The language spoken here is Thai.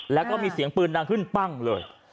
แล้วก็มีเสียงปืนดังขึ้นปั้งเลย